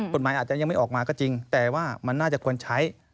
กฎหมายอาจจะยังไม่ออกมาก็จริงแต่ว่ามันน่าจะควรใช้